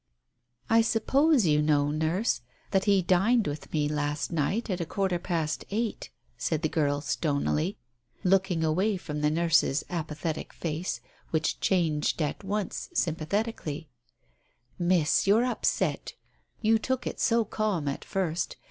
"I suppose you know, Nurse, that he dined with me last night, at a quarter past eight," said the girl stonily, looking away from the nurse's apathetic face, which changed at once, sympathetically; — "Miss, you're upset! You took it so calm at first.